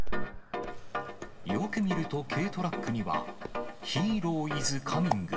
よく見ると、軽トラックにはヒーロー・イズ・カミング！